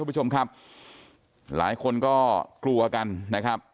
คุณผู้ชมครับหลายคนก็กลัวกันนะครับ